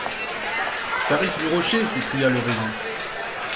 Clarice du Rocher !… s'écria le régent.